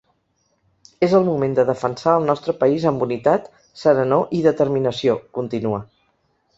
És el moment de defensar el nostre país amb unitat, serenor i determinació –continua–.